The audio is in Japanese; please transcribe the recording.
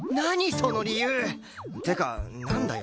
その理由！っていうかなんだよ？